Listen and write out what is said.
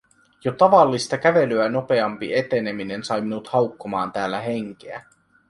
Jo tavallista kävelyä nopeampi eteneminen sai minut haukkomaan täällä henkeä.